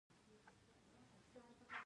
په افغانستان کې په طبیعي ډول رسوب شتون لري.